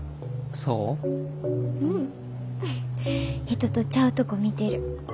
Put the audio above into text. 人とちゃうとこ見てる。